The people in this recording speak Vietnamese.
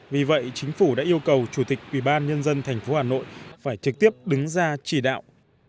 vì vậy chính phủ đã yêu cầu chủ tịch ubnd tp hà nội phải trực tiếp đứng ra chỉ đạo